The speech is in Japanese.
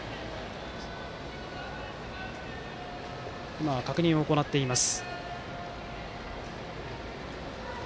今、確認を行っています。